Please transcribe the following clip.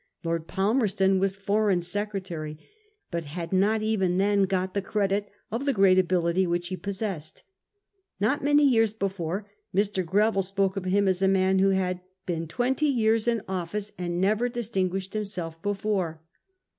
Lord Palmerston was Foreign Secretary, but had not even then got the credit of the great ability which he possessed. Not many years before Mr. Greville spoke of him as a man who ' had been twenty years in office and had never distinguished himself before.